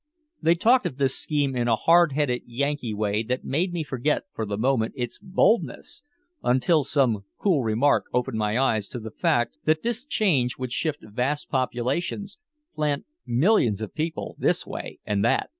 They talked of this scheme in a hard headed Yankee way that made me forget for the moment its boldness, until some cool remark opened my eyes to the fact that this change would shift vast populations, plant millions of people this way and that.